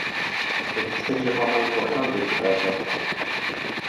Există ceva mai important decât aceasta.